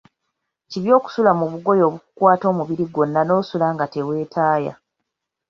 Kibi okusula mu bugoye obukukukwata omubiri gwonna nosula nga teweetaaya.